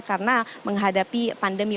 karena menghadapi pandemi